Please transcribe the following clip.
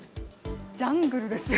ジャングルですよ。